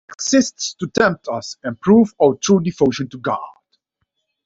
He exists to tempt us, and prove our true devotion to God.